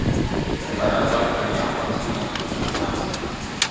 برابر پر نعمتونو سو ناپامه !.